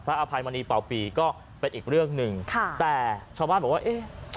อภัยมณีเป่าปีก็เป็นอีกเรื่องหนึ่งค่ะแต่ชาวบ้านบอกว่าเอ๊ะ